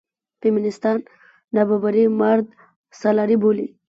فیمینېستان نابرابري مردسالاري بولي.